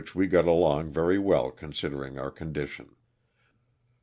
233 we got along very well considering our condition.